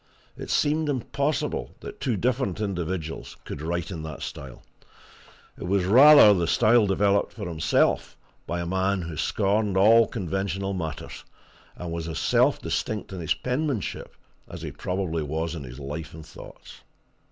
It seemed impossible that two different individuals could write in that style; it was rather the style developed for himself by a man who scorned all conventional matters, and was as self distinct in his penmanship as he probably was in his life and thoughts.